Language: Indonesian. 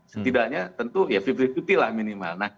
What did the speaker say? setidaknya tentu ya lima puluh lima puluh lah minimal